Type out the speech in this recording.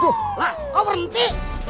tuh lah kau berhenti